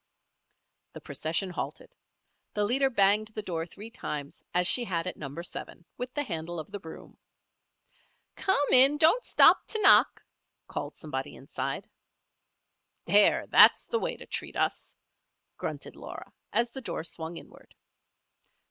The procession halted. The leader banged the door three times as she had at Number Seven, with the handle of the broom. "Come in! don't stop to knock," called somebody inside. "There! that's the way to treat us," grunted Laura, as the door swung inward.